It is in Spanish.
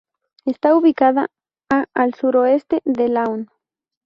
Está ubicada a al suroeste de Laon.